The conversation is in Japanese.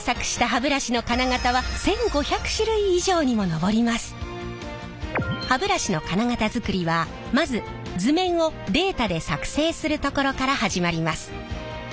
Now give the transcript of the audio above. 歯ブラシの金型づくりはまず図面をデータで作成するところから始まります。